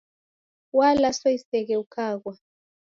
Walaswa iseghe ukaghwa